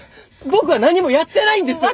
僕は何もやってないんです！